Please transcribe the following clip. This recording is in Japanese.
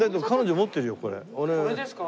これですか？